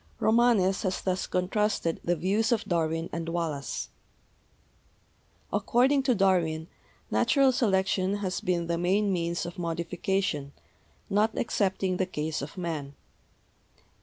Romanes has thus contrasted the views of Darwin and Wallace : According to Darwin, Natural Selection has been the main means of modification, not excepting the case of Man.